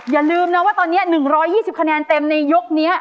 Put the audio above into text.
อย่าลืมนะว่าตอนนี้๑๒๐คะแนนเต็มในยกนี้